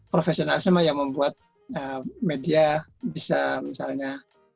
profesional semua yang membuat media bisa misalnya